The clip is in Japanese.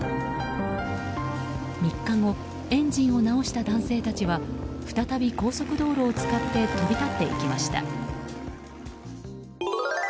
３日後エンジンを直した男性たちは再び高速道路を使って飛び立っていきました。